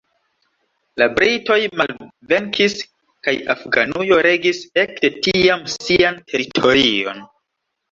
La britoj malvenkis kaj Afganujo regis ekde tiam sian teritorion.